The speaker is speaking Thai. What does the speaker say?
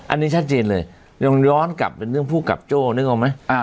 อันนี้ชัดเจนเลยยังย้อนกลับเป็นเรื่องผู้กับโจ้นึกออกไหม